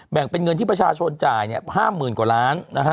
แบ่งเป็นเงินที่ประชาชนจ่าย๕๐๐๐กว่าล้านนะฮะ